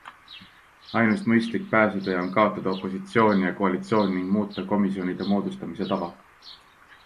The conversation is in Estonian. Ainus mõistlik pääsetee on kaotada opositsioon ja koalitsioon ning muuta komisjonide moodustamise tava.